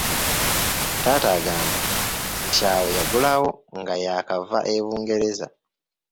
Taata agamba nti awo yagulawo nga yaakava e Bungereza.